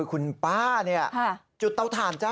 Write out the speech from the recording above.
คุณป้าจุดเตาถ่านจ้ะ